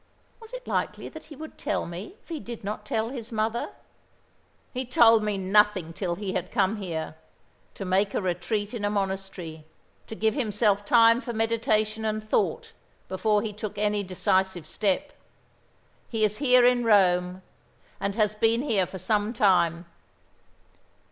"Was it likely that he would tell me, if he did not tell his mother?" "He told me nothing till he had come here; to make a retreat in a monastery; to give himself time for meditation and thought, before he took any decisive step. He is here in Rome, and has been here for some time.